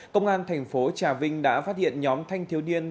công an thành phố trà vinh đã phát hiện nhóm thanh thiếu niên